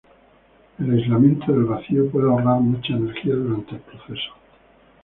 El aislamiento del vacío puede ahorrar mucha energía durante el proceso.